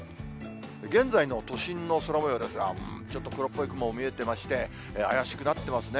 現在の都心の空もようですが、ちょっと黒っぽい雲も見えてまして、怪しくなってますね。